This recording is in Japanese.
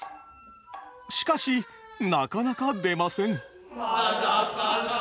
しかしなかなか出ません。